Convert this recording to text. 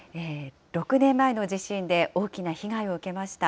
６年前の地震で、大きな被害を受けました。